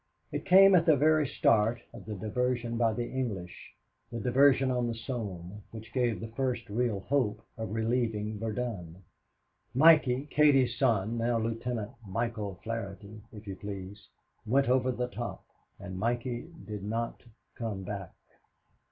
It came at the very start of the diversion by the English, the diversion on the Somme, which gave the first real hope of relieving Verdun. Mikey, Katie's son, now Lieut. Michael Flaherty, if you please, went over the top and Mikey did not come back.